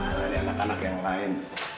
nah ini anak anak yang lain